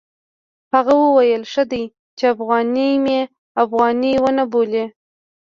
هغه وویل ښه دی چې افغاني مې افغاني ونه بولي.